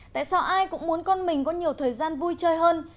tại sao ai cũng muốn con mình có nhiều thời gian vui chơi hơn